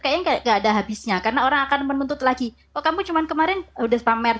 kayaknya gak ada habisnya karena orang akan menuntut lagi oh kamu cuman kemarin udah pamer